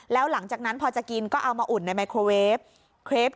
แล้วหลังจากนั้นพอจะกินก็เอามาอุ่นในไมโครเวฟ